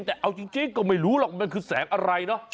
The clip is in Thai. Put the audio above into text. แต่เอาจริงก็ไม่รู้หรอกมันคือแสงอะไรเนอะ